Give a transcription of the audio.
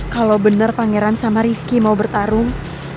kalau benar pangeran sama rizky mau bertarung